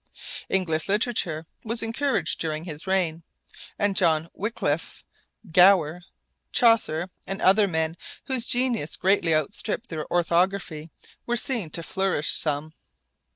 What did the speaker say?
English literature was encouraged during his reign, and John Wickliffe, Gower, Chaucer, and other men whose genius greatly outstripped their orthography were seen to flourish some.